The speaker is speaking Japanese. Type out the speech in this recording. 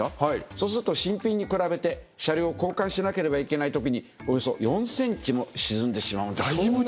そうすると新品に比べて車輪を交換しなければいけないときにおよそ４ｃｍも沈んでしまうんだそうです。